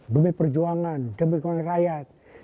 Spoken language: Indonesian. demi perjuangan demi perjuangan rakyat